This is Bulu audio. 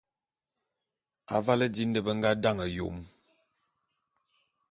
Avale di nde be nga dane Yom.